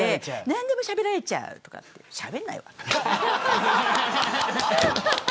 何でもしゃべられちゃうとかしゃべらないわ。